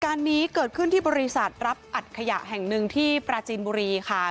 การนี้เกิดขึ้นที่บริษัทรับอัดขยะแห่งหนึ่งที่ปราจีนบุรีค่ะ